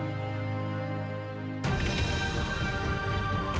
saya harus bersama rid sicherertos dan anda